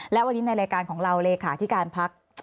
และวันนี้ในรายการของเราเลขาที่การพัก